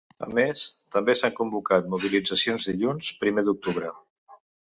A més, també s’han convocat mobilitzacions dilluns, primer d’octubre.